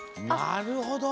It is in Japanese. なるほど！